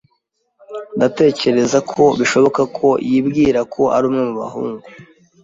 Ndatekereza ko bishoboka ko yibwira ko ari umwe mu bahungu.